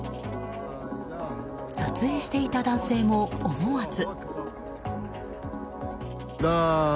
撮影していた男性も思わず。